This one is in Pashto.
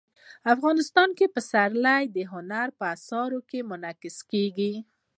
افغانستان کې پسرلی د هنر په اثار کې منعکس کېږي.